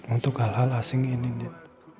untuk hal hal asing ini dia